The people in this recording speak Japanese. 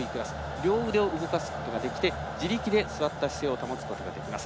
両腕を動かすことができて自力で座った姿勢を保つことができます。